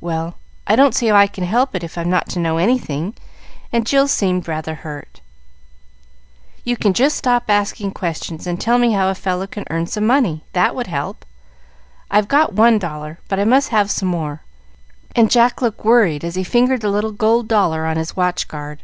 "Well, I don't see how I can help if I'm not to know anything;" and Jill seemed rather hurt. "You can just stop asking questions, and tell me how a fellow can earn some money. That would help. I've got one dollar, but I must have some more;" and Jack looked worried as he fingered the little gold dollar on his watch guard.